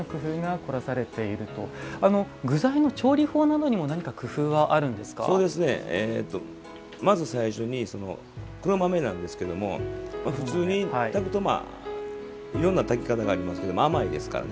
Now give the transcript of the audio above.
具材の調理法などにもまず最初に黒豆なんですけど普通に炊くといろんな炊き方がありますが甘いですらね。